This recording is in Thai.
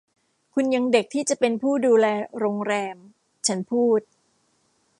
คุณยังเด็กที่จะเป็นผู้ดูแลโรงแรม ฉันพูด